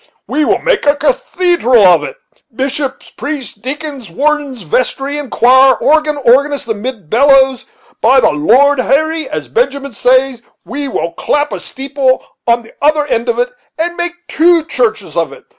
we will make a cathedral of it! bishops, priests, deacons, wardens, vestry, and choir; organ, organist, amid bellows! By the Lord Harry, as Benjamin says, we will clap a steeple on the other end of it, and make two churches of it.